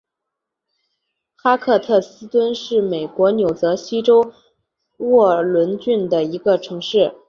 哈克特斯敦是美国纽泽西州沃伦郡的一个城市。